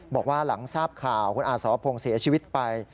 บอกว่าหลังทราบข่าวคุณอาสรพงศ์เสียชีวิตไป